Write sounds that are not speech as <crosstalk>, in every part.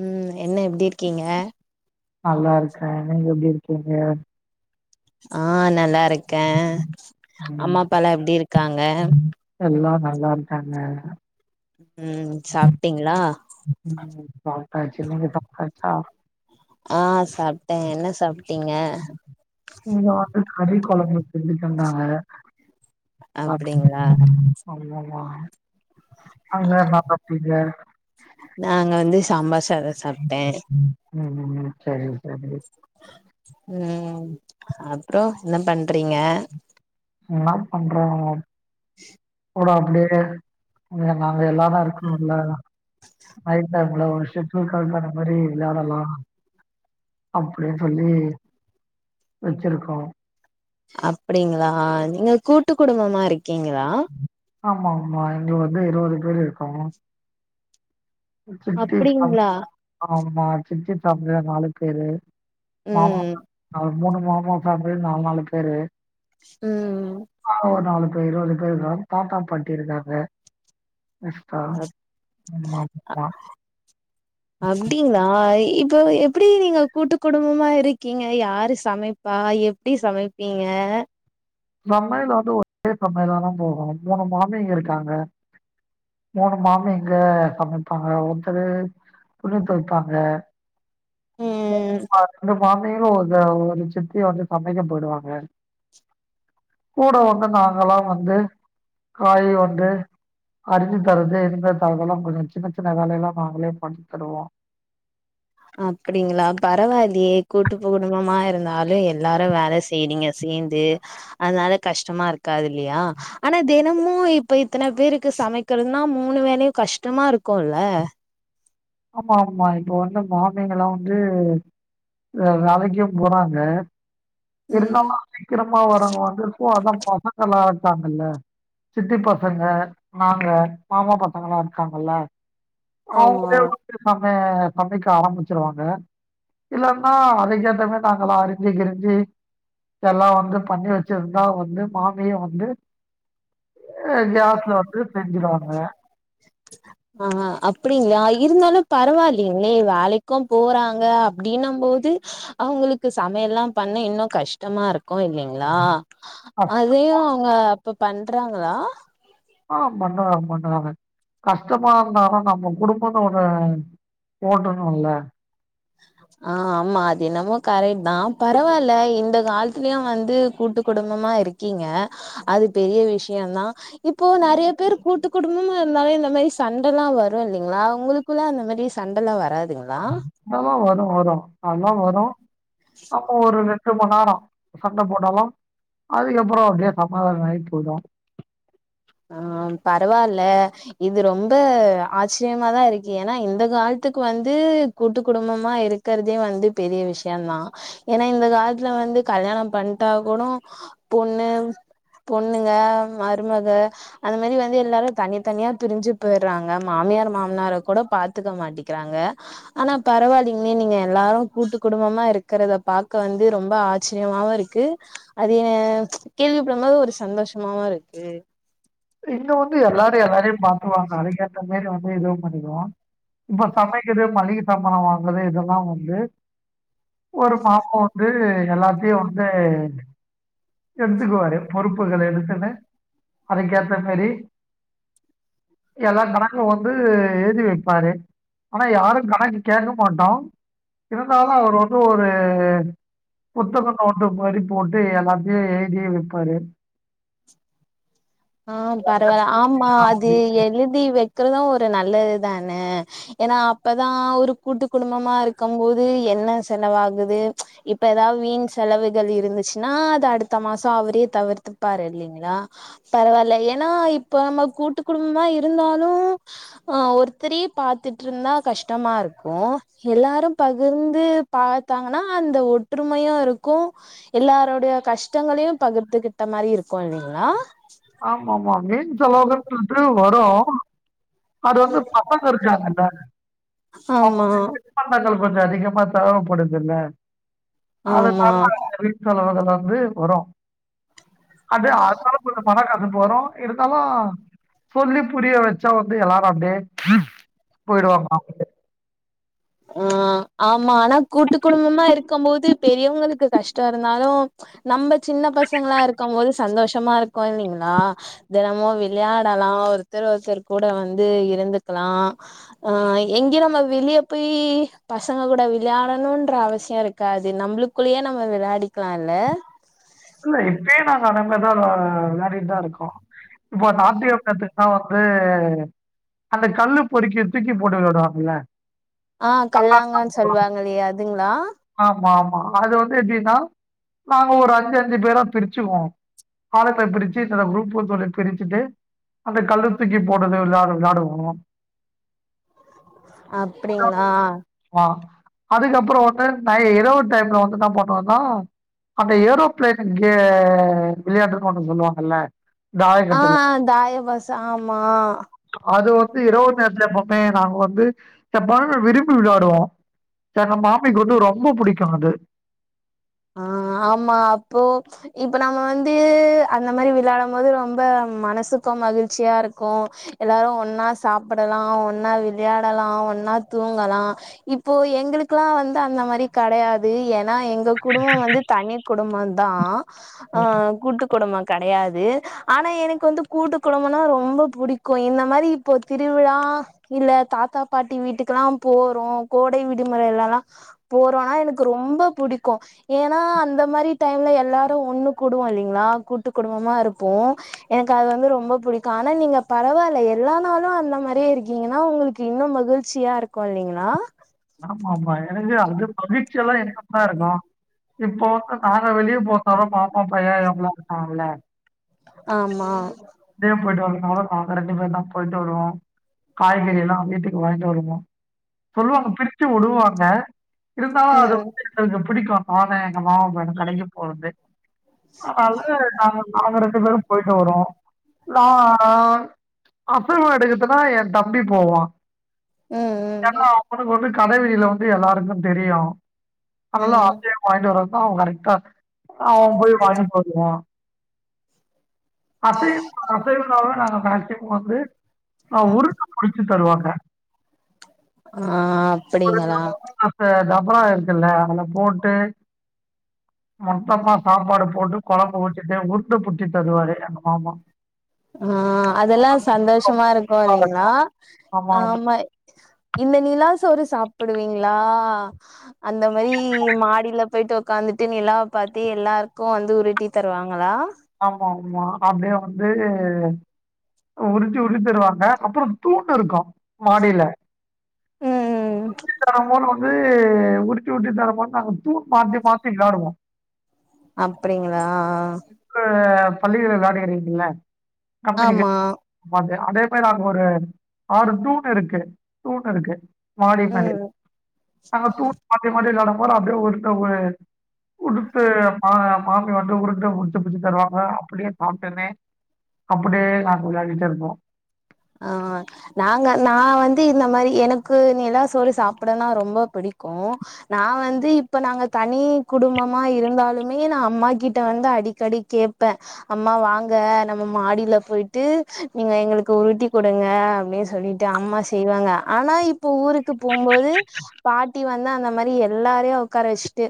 ம் என்ன எப்டி இருக்கீங்க நல்லாருக்கே நீங்க எப்டி இருக்கீங்க ஆ நல்லாருக்கே அம்மா அப்பாலா எப்டி இருக்காங்க எல்லா நல்லாருக்காங்க ம் சாப்ட்டீங்ளா ம் ம் ம் சாப்டாச்சு நீங்க சாப்டாச்சா ஆ சாப்ட்டே என்ன சாப்ட்டீங்க இங்க வந்து கறி கொழம்பு செஞ்சு தந்தாங்க அப்டிங்களா ஆமாமா அங்க பாத்தாச்சிங்க நாங்க வந்து சாம்பார் சாதோ சாப்ட்டே ம் ம் செரிங்க செரி செரி ம் அப்பறோ என்ன பண்றீங்க என்னாப் பண்றாங்க போடா அப்டியே ம் நாங்க எல்லாரு இருக்கணுல்ல நைட் டைம்ல ஒரு செக்யுர் கால் பண்ண மாரி விளையாடலா அப்டின் சொல்லி வெச்சுருக்கோ அப்டிங்ளா நீங்க கூட்டு குடும்பமா இருக்கீங்ளா ஆமா ஆமா இங்க வந்து இருவது பேர் இருக்கோ சித்தி அப்டிங்களா ஆமா சித்தி ஃபேமிலியே நாலு பேரு மாமா ம் மூணு மாமா ஃபேமிலியு நாலு நாலு பேரு ம் ஆ நாலு பேரு ரிட்டேர்தா தாத்தா பாட்டி இருக்காங்க ரிஸ்கா ஆமா ஆமா. அப்டி அப்டிங்ளா இப்ப எப்டி நீங்க கூட்டு குடும்பமா இருக்கீங்க யாரு சமைப் பா எப்டி சமைப்பீங்க பம்பைல வந்து ஒரே கம்பெனிலதா போனோ மூணு மாமிங்க இருக்காங்க மூணு மாமிங்க சமைப்பாங்க ஒருத்தரு துணி தொவைப்பாங்க ம் ஆ ரெண்டு மாமிகளு ஒரு ஒரு சித்தி வந்து சமைக்க போய்டுவாங்க கூட வந்து நாங்கலா வந்து காய் வந்து அறிஞ்சு தரது இனிமே தரதெல்லா கொஞ்சோ சின்ன சின்ன வேலையெல்லா நாங்களே பண்ணி தருவோ அப்டிங்ளா பரவால்லயே கூட்டு பு குடும்பமா இருந்தாலு எல்லாரு வேலை செய்றீங்க சேந்து அதுனால கஷ்டமா இருக்காது இல்யா ஆனா தினமு இப்ப இத்தன பேருக்கு சமைக்கிறதுன்னா மூனு வேலையு கஷ்டமா இருக்குல்ல ஆமா ஆமா இப்ப வந்து மாமிங்லா வந்து வ வேலைக்கு போறாங்க ம் இருந்தாலு சீக்கிரமா வரவங்க வந்து இப்போ அதா பசங்களா இருக்காங்கல்ல சித்தி பசங்க நாங்க மாமா பசங்கலா இருக்காங்கல்ல ஆமா அவங்களே வந்து நம்ம சமைக்க ஆரம்பிச்சிருவாங்க இல்லன்னா அதுக்கேத்த மாரி நாங்களா அறிஞ்சு கிரிஞ்சு இதெல்லா வந்து பண்ணி வச்சிருந்தா வந்து மாமியே வந்து அ கேஸ்ல வந்து செஞ்சுடுவாங்க <inaudible> ஆ அப்டிங்ளா இருந்தாலு பரவால்லைங்ளே வேலைக்கும் போறாங்க அப்டினும் போது அவங்களுக்கு சமையல்லா பண்ண இன்னு கஷ்டமா இருக் கு இல்லைங்ளா அதையு அவுங்க அப்ப பண்றாங்களா ஆ பண்ணுறாங்க பண்ணுறாங்க கஷ்டமா இருந்தாலு நம்ம குடும்பனு ஒன்னு ஓட்டணுல்ல ஆ ஆமா அதென்னமோ கரெக்ட் தா பரவால்ல இந்த காலத்துலயு வந்து கூட்டு குடும்பமா இருக் கீங்க அது பெரிய விஷ்யந்தா இப்போ நெறய பேர் கூட்டு குடும்பமா இருந்தாவே இந்த மாயி சண்டலா வரு இல்லைங்ளா உங்களுக் குல அந்த மாரி சண்டலா வராதுங்ளா அதெல்லா வரு வரு ஆனா வரு அப்ப ஒரு ரெண்டு மண் நேரோ சண்ட போட்டாலு அதுக்கப்றோ அப்டியே சமாதானம் ஆயி போயிடு ஆம் பரவால்ல இது ரொம்ப ஆச்சரியமாதா இருக்கி ஏனா இந்த காலத்துக்கு வந்து கூட்டு குடும்பமா இருக்கிறதே வந்து பெரிய விஷ்யந்தா ஏனா இந்த காலத்துல வந்து கல்யாணம் பண்ட்டா கூடோ பொண்ணு பொண்ணுங்க மருமக அந்த மாரி வந்து எல்லாரு தனி தனியா பிரிஞ்சு போயுறாங்க மாமியார் மாமனார கூட பாத் துக்க மாட்டிக்கிறாங்க ஆனா பரவால்லைங்க நீங்க எல்லாரு கூட்டு குடும்பமா இருக்கிறத பாக்க வந்து ரொம்ப ஆச் சரியமாவு இருக்கு அது எ கேள்விபடும் போது ஒரு சந்தோஷமாவு இருக்கு இன்னொன்னு எல்லாரு எல்லாரையு பாத்துகுவாங்க அதுக்கேத்த மாரி வந்து எதுவு பண்ணிகுவோ இப்போ சமைக்றது மளிக சாமானோ வாங்குறது இதெல்லா வந்து ஒரு மாசோ வந்து எல்லாத்தையு வந்து எடுத்துக்குவாரு பொறுப்புகள எடுத்துனு அதுக்கேத்த மேரி எல்லா கணக்கு வந்து எழுதி வைப்பாரு ஆனா யாரு கணக்கு கேக்க மாட்டோ இருந்தாலு அவர் வந்து ஒரு புத்தகோ நோட்டு மாரி போட்டு எல்லாத்தையு எழுதியே வைப்பாரு ஆம் பரவால்ல ஆமா அது எழுதி வைக்கிறது ஒரு நல்லதுதான ஏனா அப்பதா ஒரு கூட்டு குடும்பமா இருக்கும் போது என்ன செனவாகுது இப்ப ஏதாவ் வீண் செலவுகள் இருந்துச்சுன்னா அது அடுத்த மாசோ அவரே தவிர்த்து பாரு இல்லிங்ளா பரவால்ல ஏனா இப்ப நம்ம கூட்டு குடும்பமா இருந்தாலு ஆ ஒருத்தரே பாத்துட்ருந்தா கஷ்டமா இருக்கு எல்லாரு பகிர்ந்து பாத்தாங்கன்னா அந்த ஒற்றுமையாருக்கு எல்லாரோடைய கஷ்டங்களையு பகிர்த்துகிட்ட மாரி இருக்கு இல்லைங்ளா ஆமா ஆமா வீண் செலவுகள்ட்டுட்டு வரு அது வந்து பசங்க இருக்காங்கள <inaudible> ஆமா தின் பண்டங்கள் கொஞ்சோ அதிகமா தேவப்படுதுல்ல ஆமா அதனால வீண்செலவுகள் வந்து வரு அது அதனா கொஞ்சோ மனக்கசப்பு வரு இருந்தாலு சொல்லி புரிய வச்சா வந்து எல்லாரு அப்டே போயிடுவாங்ணா ம் ஆமா ஆனா கூட்டு குடும்பமா இருக்கும் போது பெரியவங்களுக்கு கஷ்டோ இருந்தாலு நம்ப சின்ன பசங்களா இருக்கம்போது சந்தோஷமா இருக்கோ இல்லிங்ளா தெனமு விளையாடலா ஒருத்தர் ஒருத்தர் கூட வந்து இருந்துக்லா ஆ எங்கி நம்ப வெளியப் போய் பசங்க கூட விளையாடணுன்ற அவசியோ இருக்காது நம்ளுக்குள்ளே நம்ம விளையாடிக்லா இல்ல இல்ல இப்பயே நாங்க அத மாரி தா விளையாடிட் தா இருக்கோ இப்போ நாத்தியம் <unintelligible> தா வந்து அந்த கல்லு பொருக்கி தூக்கி போட்டு விளாடுவாங்கள ஆ கல்லாங்கான் சொல்வாங் இல்லையா அதுங்ளா ஆமா ஆமா அது வந்து எப்டினா நாங்க ஒரு அஞ்சு அஞ்சு பேரா பிரிச்சுக்குவோ ஆளமே பிரிச்சு இத்தன குரூப்புன் சொல்லி பிரிச்சிட்டு அந்த கல்ல தூக்கி போட்றது விளையாடு விளையாடுவோ அப்டிங்ளா ஆமா அதுக்கப்றோ வந்து நை இரவு டைம்ல வந்து இன்னா பண்ணுவோனா அந்த ஏரோ பிளேனு கே வெளையாட்டுனு ஒன்னு சொல்லுவாங்கல்ல ஆ தாயக்கட்டுல ஆ தாயபாசு ஆமா அது வந்து இரவு நேரத்துல எப்வுமே நாங்க வந்து எப்பனா விரும்பி விளாடுவோ எங்க மாமிக்கு வந்து ரொம்ப புடிக்கு அது ஆ ஆமா அப்போ இப்ப நம்ம வந்து அந்த மாரி விளாடும் போது ரொம்ப மனசுக்கு மகிழ்ச்சியா இருக்கு எல்லாரு ஒன்னா சாப்படலா ஒன்னா விளையாடலா ஒன்னா தூங்கலா இப்போ எங்களுக்குலா வந்து அந்த மாரி கடையாது ஏனா எங் குடும்போ வந்து தனி குடும்போ தா ஆ கூட்டு குடும்போ கெடையாது ஆனா எனக்கு வந்து கூட்டு குடும்பனா ரொம்ப புடிக்கு இந்த மாரி இப்போ திருவிழா இல்ல தாத்தா பாட்டி வீட்டுக்குலா போறோ கோடை விடுமுறைலலா போறோனா எனக்கு ரொம்ப புடிக் க்கு ஏனா அந்த மாரி டைம்ல எல்லாரு ஒன்னு கூடுவோ இல்லீங்ளா கூட்டு குடும்பமா இருப்போ எனக்கு அது வந்து ரொம்ப புடிக்கு ஆனா நீங்க பரவால்ல எல்லா நாளு அந்த மாரியே இருக்கீங்கன்னா உங்களுக் க்கு இன்னு மகிழ்ச்சியா இருக்கு இல்லிங்ளா ஆமா ஆமா எனக்கு அந்த மகிழ்ச்சியால்லா இருந்துட்தா இருக்கு இப்போ வந்து நாங்க வெளிய போற <unintelligible> ஓ பையே ஏ புள்ள இருக்காங்கள ஆமா இப்டே போயிட்டு வருறதுனால நாங்க ரெண்டு பேர் தா போயிட்டு வருவோ காய்கறில்லா வீட்டுக்கு வாங்கிட்டு வருவோன் சொல்லுவாங்க பிரிச்சு வுடுவாங்க இருந்தாலு அது ம் வந்து எங்களுக்கு பிடிக்கு நானோ எங்க மாமா பையனு கடக்கி போறன்ட்டு அதனால நாங்க நாங்க ரெண்டு பேரு போய்ட்டு வருவோ நா ஆனா அசைவம் எடுக்கதுனா என் தம்பி போவா ம் ஏன்னா ம் அவனுக்கு வந்து கடவீதில வந்து எல்லாருக்கு தெரியுன் அதனல்லா ம் அசைவம் வாங்கிட்டு வர்றதுதா அவன் கரெக்டா அவன் போய் வாங்கிட் வருவான் அசை அசைவன்னால நாங்க மேக்சிமம் வந்து ஆ முருக்கு புழிஞ்சு தருவாங்க ஆ முருக்கு அப்டிங்களா அந்த டபரா இருக்குல்ல அதுல போட்டு மொத்தமா சாப்பாடு போட்டு கொழம்பு ஊத்திட்டு உருண்ட புச்சி தருவாரு எங்க மாமா ஆ அதெல்லா சந்தோஷமா இருக்கு நல்லாருக்கும். இல்லைங்ளா ஆமா இந்த நிலாசோரு சாப்டுவீங்ளா அந்த மாரி மாடியில போயிட்டு உக்காந்துட்டு நிலாவ பாத்து எல்லாருக்கு வந்து உருட்டி தருவாங்ளா ஆமா ஆமா அப்டியே வந்து உருட்டி உருட்டி தருவாங்க அப்றோ தூண் இருக்கு மாடில ம் ம் உறிச்சி தர போல வந்து உறிச்சி உறிச்சி தர போதத் நாங்க வந்து தூண் மாத்தி மாத்தி விளாடுவோ அப்டிங்களா ப்ப பள்ளிகள்ல விளாடியிறிங்கள கம்பெனிக்கு ஆமா ஆமாங்க அதே மாரி அங்க ஒரு ஆறு தூண் இருக்கு தூண் இருக்கு மாடி பணி ம் அப்ரு மாட்டி மாட்டி விளாட போற அப்டியே ஒருந்த உடுத்து மா மாமி வந்து உருண்ட உருண்ட பிடிச்சி தருவாங்க அப்டியே சாப்ட்டனே அப்படியே நாங்க விளையாடிட்டேருப்போம் ஆ நாங்க நா வந்து இந்த மாரி எனக்கு நிலா சோறு சாப்படனா ரொம்ப பிடிக்கூம் நா வந்து இப்ப நாங்க தனி குடும்பமா இருந்தாலுமே நா அம்மா கிட்ட வந்து அடிக்கடி கேப்ப அம்மா வாங்க நம்ம மாடியில போயிட்டு நீங்க எங்களுக்கு உருட்டி குடுங்க அப்டி சொல்லிட்டு அம்மா செய்வாங்க ஆனா இப்ப ஊருக்கு போம் போது பாட்டி வந்து அந்த மாரி எல்லாரையும் ஒக்கார வச்சுட்டு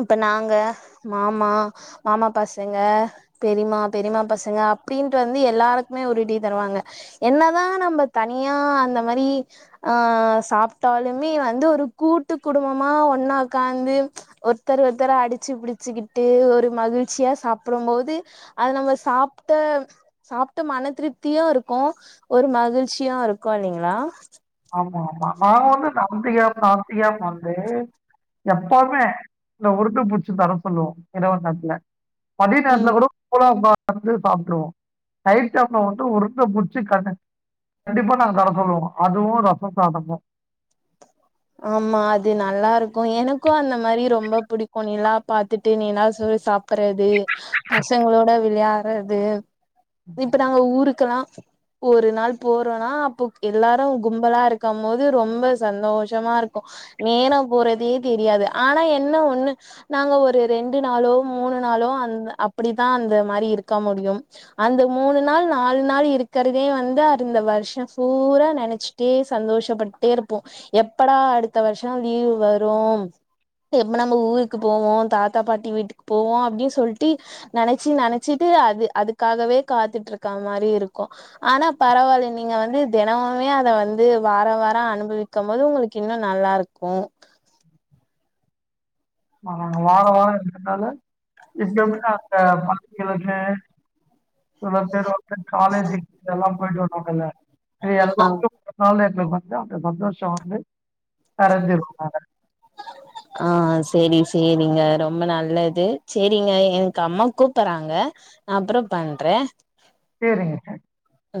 இப்ப நாங்க மாமா மாமா பசங்க பெரிமா பெரிமா பசங்க அப்டின்ட்டு வந்து எல்லாருக்குமே உருட்டி தருவாங்க என்னதா நம்ப தனியா அந்த மரி அ சாப்ட்டாலுமே வந்து ஒரு கூட்டு குடும்பமா ஒன்னா ஒக்காந்து ஒருத்தர் ஒருத்தர அடிச்சு பிடிச்சுக்கிட்டு ஒரு மகிழ்ச்சியா சாப்படும் போது அத நம்ம சாப்ட்ட சாப்ட்ட மன திருப்தியூ இருக் க்கோ ஒரு மகிழ்ச்சியா இருக்கு இல்லிங்ளா ஆமா ஆமா நான் வந்து நந்திகா சாந்திகா வந்து எப்பவுமே இந்த உருட்டு புச்சு தர சொல்லுவோம் இரவு நேரத்துல படி ம் நேரத்துல கூட போலாம்பா வந்து சாப்ட்டுருவோ நைட் டைம்ல வந்து உருண்ட புடிச்சு கண்ணு கண்டிப்பா நாங்க தர சொல்லுவோ அதுவு ரச சாதமு ஆமா அது நல்லா இருக்கோ எனக்கு அந்தமாரி ரொம்ப புடிக்கூ நிலா பாத்துட்டு நிலா சோறு சாப் சாப்புறது பசங்களோட விளையாட்றது இப்ப நாங்க ஊருக்கெல்லா ஒரு நாள் போறோனா அப்போ எல்லாரு கும்பலாருக்கும் போது ரொம்ப சந்தோ ச்சமா இருக்கும் நேரம் போறதே தெரியாது ஆனா என்ன ஒன்னு நாங்க ஒரு ரெண்டு நாளோ மூணு நாளோ அந்த அப்படிதான் அந்த மாரி இருக்க முடியும் அந்த மூணு நாள் நாலு நாள் இருக்கறதே வந்து அந்த வர்ஷோ சூறா நெனைச்சு தே சந்தோஷப்பட்டே இருப்போ எப்படா அடுத்த வர்ஷோ லீவ் வரு எப்ப நம்ம ஊருக்கு போவோ தாத்தா பாட்டி வீட்டுக் போவோ அப்டி சொல்ட்டு நெனைச்சி நெனைச்சிட்டு அது அதுக்காகவே காத்துட்ருக்க மாரி இருக்கு ஆனா பரவால்ல நீங்க வந்து தெனமுமே அத வந்து வாரோ வாரோ அனுபவிக் க்கம்போது உங்குளுக்கு இன்னு நல்லாருக்கு ஆ வார வார இருக்கனால இங்க இப்ப எப்ப அந்த பத்து சில பேர் வந்து காலேஜ்கெல்லா போயிட்டு வாருவாங்கல ஆ எல்லாமே இப்ப காலேஜ்ல கூப்ட்டா அந்த சந்தோஷம் <unintelligible> நிறைஞ்சிரும் நாங்க ஆ சேரி சேரிங்க ரொம்ப நல்லது சேரிங்க எனக்கு அம்மா கூப்பறாங்க அப்பற பண்ற சேரிங்க சார் ம்